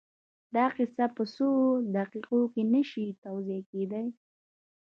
دا کيسه په څو دقيقو کې نه شي توضيح کېدای.